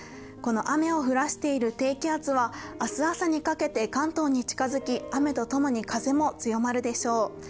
この雨を降らせている低気圧は明日朝にかけて関東に近づき、雨とともに風も強まるでしょう。